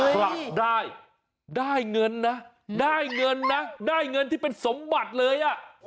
ผลักได้ได้เงินนะได้เงินนะได้เงินที่เป็นสมบัติเลยอ่ะ